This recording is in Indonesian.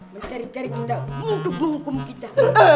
mencari cari kita untuk menghukum kita